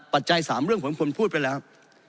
จัย๓เรื่องผมควรพูดไปแล้ว